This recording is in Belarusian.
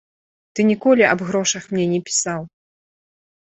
Ты ніколі аб грошах мне не пісаў.